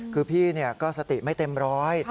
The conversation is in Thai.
คือพี่ก็สติไม่เต็มร้อย